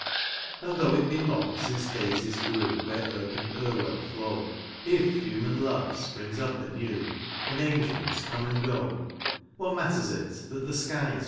And though it be long since daisies grew Where Irk and Irwell flow. If human love springs up anew, And angels come and go, 350 POEMS OF PLACES.